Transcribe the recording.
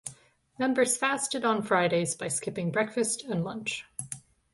Members fasted on Fridays by skipping breakfast and lunch.